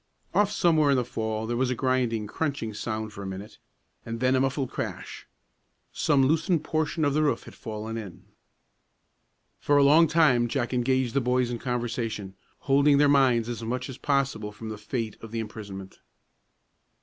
Off somewhere in the fall there was a grinding, crunching sound for a minute, and then a muffled crash. Some loosened portion of the roof had fallen in. For a long time Jack engaged the boys in conversation, holding their minds as much as possible from the fate of imprisonment.